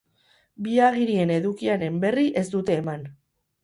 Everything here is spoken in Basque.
Bi agirien edukiaren berri ez dute eman.